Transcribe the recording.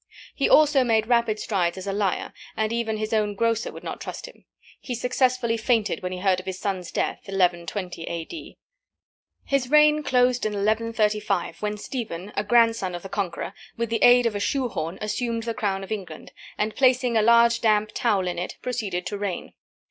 He also made rapid strides as a liar, and even his own grocer would not trust him. He successfully fainted when he heard of his son's death, 1120 A.D. His reign closed in 1135, when Stephen, a grandson of the Conqueror, with the aid of a shoe horn assumed the crown of England, and, placing a large damp towel in it, proceeded to reign.